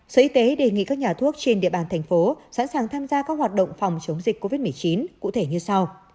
sở y tế đề nghị các nhà thuốc trên địa bàn thành phố sẵn sàng tham gia các hoạt động phòng chống dịch covid một mươi chín cụ thể như sau